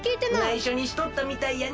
ないしょにしとったみたいやね。